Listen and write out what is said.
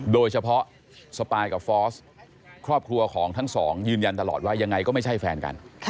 สปายกับฟอสครอบครัวของทั้งสองยืนยันตลอดว่ายังไงก็ไม่ใช่แฟนกัน